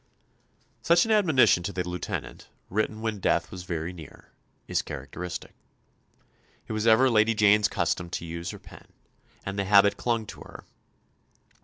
Such an admonition to the Lieutenant, written when death was very near, is characteristic. It was ever Lady Jane's custom to use her pen, and the habit clung to her.